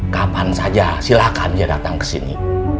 kapan saja silahkan dia datang kesini